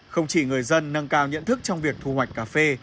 không chỉ người dân nâng cao nhận thức trong việc thu hoạch cà phê